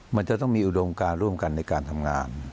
มันจะต้องมีอุดมการร่วมกันในการทำงาน